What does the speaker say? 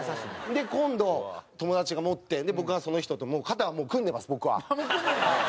で今度友達が持って僕はその人と肩はもう組んでます僕は。ハハハハ！